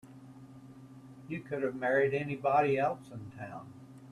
You could have married anybody else in town.